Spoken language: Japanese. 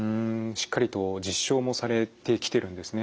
しっかりと実証もされてきてるんですね。